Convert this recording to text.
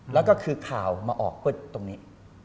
แล้วก็คือข่าวมาออกตรงนี้